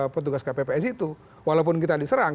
petugas kpps itu walaupun kita diserang